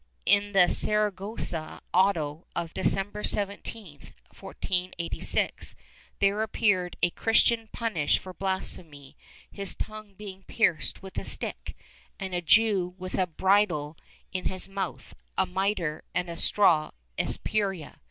In the Sara gossa auto of December 17, 1486, there appeared a Christian punished for blasphemy, his tongue being pierced with a stick, and a Jew with a bridle in his mouth, a mitre and a straw espuerta.